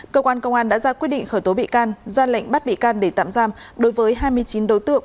cơ quan công an đã ra quyết định khởi tố bị can ra lệnh bắt bị can để tạm giam đối với hai mươi chín đối tượng